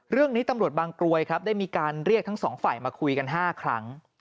เรื่องนี้ตำรวจบางกรวยครับได้มีการเรียกทั้งสองฝ่ายมาคุยกัน๕ครั้ง